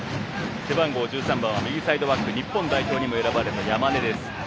背番号１３番は右サイドバック日本代表にも選ばれた山根。